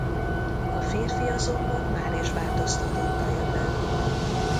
A férfi azonban máris változtatott a jövőn.